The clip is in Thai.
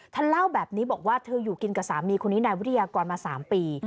เล่าแบบนี้บอกว่าเธออยู่กินกับสามีคนนี้นายวิทยากรมา๓ปี